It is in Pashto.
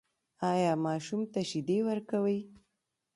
ایا ماشوم ته شیدې ورکوئ؟